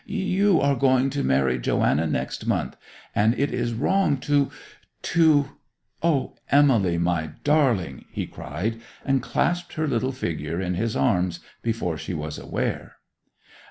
'You are going to marry Joanna next month, and it is wrong to—to—' 'O, Emily, my darling!' he cried, and clasped her little figure in his arms before she was aware.